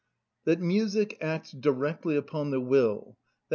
That music acts directly upon the will, _i.